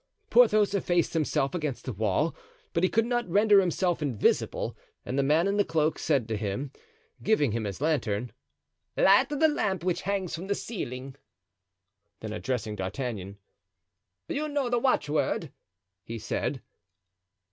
Porthos effaced himself against the wall, but he could not render himself invisible; and the man in the cloak said to him, giving him his lantern: "Light the lamp which hangs from the ceiling." Then addressing D'Artagnan: "You know the watchword?" he said.